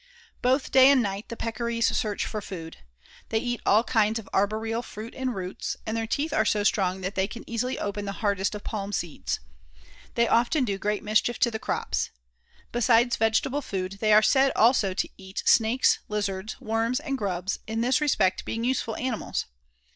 Both day and night the Peccaries search for food. They eat all kinds of arboreal fruit and roots, and their teeth are so strong that they can easily open the hardest of palm seeds. They often do great mischief to the crops. Besides vegetable food they are said also to eat Snakes, Lizards, Worms, and Grubs, in this respect being useful animals.